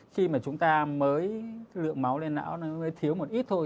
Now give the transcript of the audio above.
khi mà chúng ta mới lượng máu lên não nó mới thiếu một ít thôi